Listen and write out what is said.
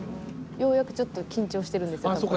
ようやくちょっと緊張してるんです。